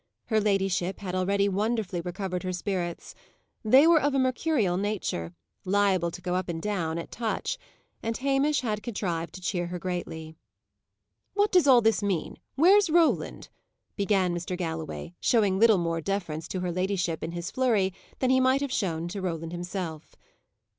Her ladyship had already wonderfully recovered her spirits. They were of a mercurial nature, liable to go up and down at touch; and Hamish had contrived to cheer her greatly. "What does all this mean? Where's Roland?" began Mr. Galloway, showing little more deference to her ladyship, in his flurry, than he might have shown to Roland himself.